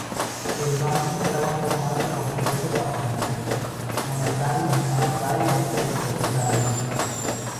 El banco estaba formado por tres departamentos: monetario, bancario e hipotecario.